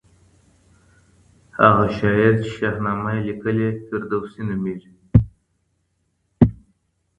هغه شاعر چي شاهنامه يې ليکلې، فردوسي نومېږي.